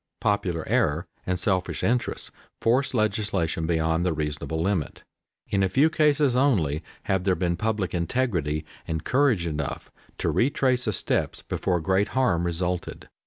Popular error and selfish interests force legislation beyond the reasonable limit. In a few cases only have there been public integrity and courage enough to retrace the steps before great harm resulted.